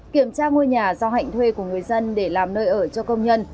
kiểm tra ngôi nhà do hạnh thuê của người dân để làm nơi ở cho công nhân